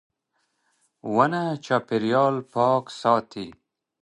• ونه چاپېریال پاک ساتي.